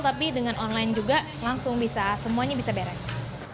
tapi dengan online juga langsung bisa semuanya bisa beres